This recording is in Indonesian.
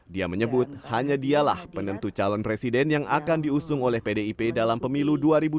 dia menyebut hanya dialah penentu calon presiden yang akan diusung oleh pdip dalam pemilu dua ribu dua puluh